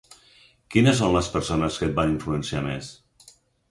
Quines són les persones que et van influenciar més?